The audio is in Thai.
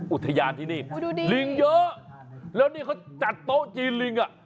อุทยานที่นี่ลิงเยอะแล้วนี่เขาจัดโต๊ะจีนลิงอ่ะ